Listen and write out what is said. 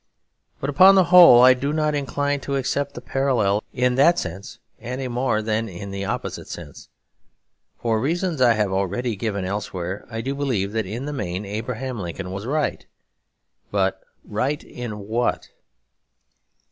But upon the whole, I do not incline to accept the parallel in that sense any more than in the opposite sense. For reasons I have already given elsewhere, I do believe that in the main Abraham Lincoln was right. But right in what?